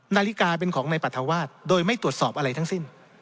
นาฬิกาเป็นของในปรัฐวาสโดยไม่ตรวจสอบอะไรทั้งสิ้น